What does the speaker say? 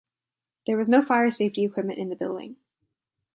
There was no fire safety equipment in the building.